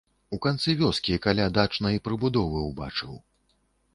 У канцы вёскі каля дачнай прыбудовы убачыў.